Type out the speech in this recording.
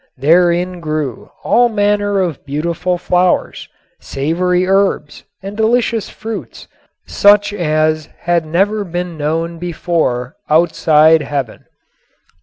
Therein grew all manner of beautiful flowers, savory herbs and delicious fruits such as had never been known before outside heaven.